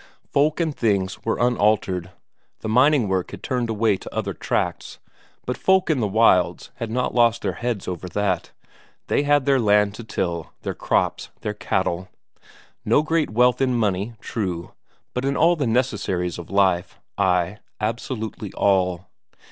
Folk and things were unaltered; the mining work had turned away to other tracts, but folk in the wilds had not lost their heads over that; they had their land to till, their crops, their cattle. No great wealth in money, true, but in all the necessaries of life, ay, absolutely all.